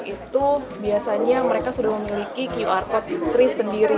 itu biasanya mereka sudah memiliki qr code tris sendiri